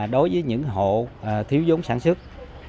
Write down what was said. đối với những hộ thiếu vốn sản xuất